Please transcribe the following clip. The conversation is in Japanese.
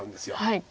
はい。